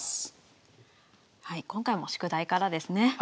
今回も宿題からですね。